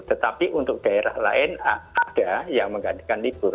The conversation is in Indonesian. tetapi untuk daerah lain ada yang menggantikan libur